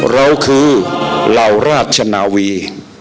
เราคือราวราชนาวี